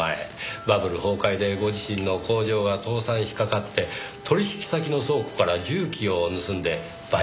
バブル崩壊でご自身の工場は倒産しかかって取引先の倉庫から重機を盗んで売却したんでしたね。